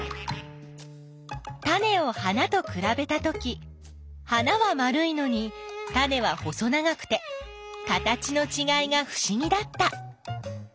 タネを花とくらべたとき花は丸いのにタネは細長くて形のちがいがふしぎだった。